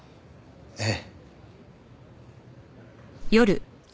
ええ。